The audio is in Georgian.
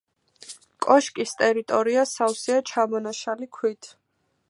კოშკის ტერიტორია სავსეა ჩამონაშალი ქვით.